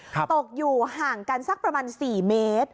ตกอยู่ห่างกันสักประมาณ๔เมตร